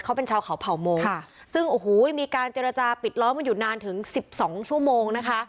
เขาเป็นชาวเขาเผ่ามงค่ะซึ่งโอ้โหมีการเจรจาปิดล้อมกันอยู่นานถึงสิบสองชั่วโมงนะคะ